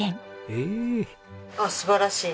あっ素晴らしい。